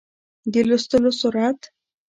د لوستلو سرعت